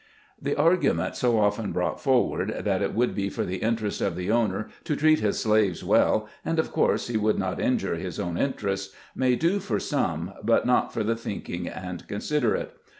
The argument so often brought forward, that it would be for the interest of the owner to treat his slaves well, and of course he would not injure his own interests, may do for some, but not for the thinking and considerate.